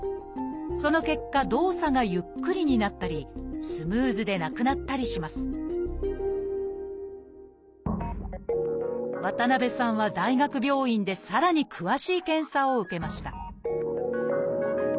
その結果動作がゆっくりになったりスムーズでなくなったりします渡辺さんは大学病院でさらに詳しい検査を受けました